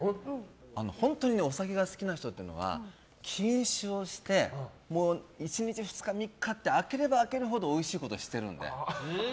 本当にお酒が好きな人は禁酒をして１日、２日、３日って空ければ、空けるほどおいしいことを知ってるので。